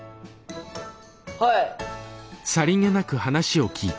はい！